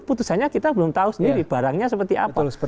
putusannya kita belum tahu sendiri barangnya seperti apa